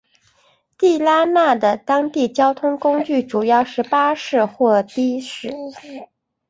地拉那的当地交通工具主要是巴士或的士。